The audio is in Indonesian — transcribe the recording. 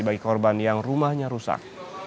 bagi korban yang rumahnya rusak